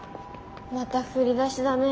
また振り出しだね。